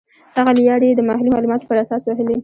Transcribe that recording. هغه لیارې یې د محلي معلوماتو پر اساس وهلې.